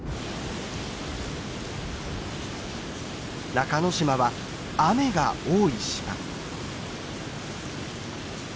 中之島は雨が多い島。